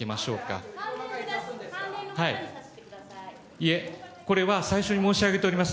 いえ、これは最初に申し上げております。